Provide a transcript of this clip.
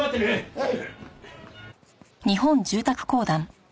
はい！